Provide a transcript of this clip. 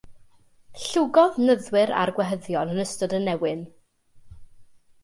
Llwgodd nyddwyr a'r gwehyddion yn ystod y newyn.